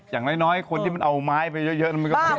อย่างน้อยคนที่มันเอาไม้ไปเยอะมันก็ไม่ได้